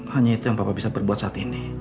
hanya itu yang bapak bisa berbuat saat ini